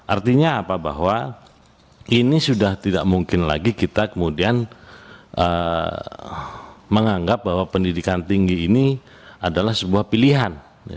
artinya apa bahwa ini sudah tidak mungkin lagi kita kemudian menganggap bahwa pendidikan tinggi ini adalah sebuah pilihan